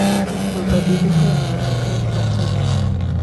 Mabadiliko ya haraka ni hatari.